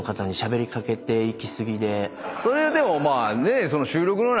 それでもまあね。